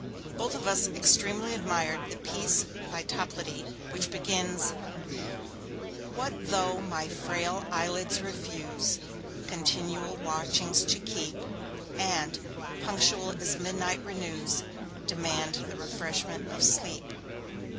Both of us extremely admired the piece by Toplady which begins: What though my frail eyelids refuse Continual watchings to keep, And, punctual as midnight renews, Demand the refreshment of sleep.